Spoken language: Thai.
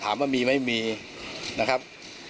ถามว่ามีหรือไม่มีนะครับ